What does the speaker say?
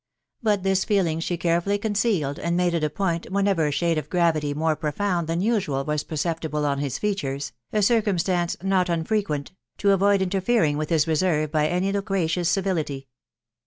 But this feeling she carefully concealed, and made it a point, whenever a shade of gravity more profound than usual was perceptible on his features (a cir cumstance not unfrequent), to avoid interfering with his reserve by any loquacious civility.